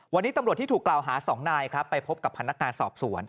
วันนี้ตำรวจที่ถูกกล่าวหา๒นายครับไปพบกับพนักงานสอบสวน